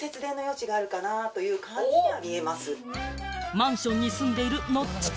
マンションに住んでいるノッチ家。